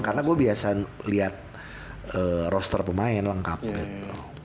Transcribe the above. karena gue biasa liat roster pemain lengkap gitu